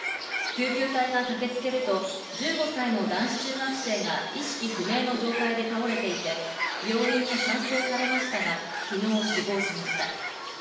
救急隊が駆けつけると、１５歳の男子中学生が意識不明の状態で倒れていて、病院に搬送されましたが、きのう死亡しました。